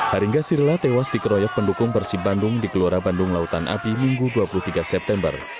haringga sirila tewas dikeroyok pendukung persib bandung di kelora bandung lautan api minggu dua puluh tiga september